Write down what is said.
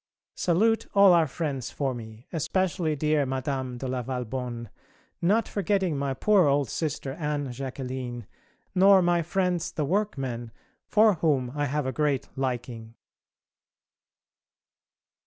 Salute all our friends for me, especially dear Madame de la Valbonne, not forgetting my poor old Sister Anne Jacqueline, nor my friends the workmen, for whom I have a great liking.